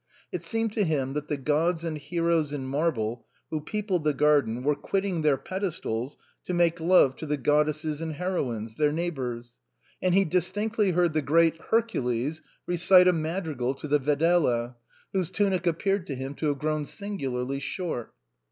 It seemed to him that the gods and heroes in marble who peopled the garden were quitting their pedestals to make love to the goddesses and heroines, their neighbors, and he distinctly heard the great Hercules recite a madrigal to the Velleda, whose tunic appeared to him to have grown singularly short.